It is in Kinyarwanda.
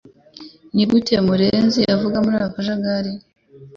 Nigute murenzi azava muri ako kajagari?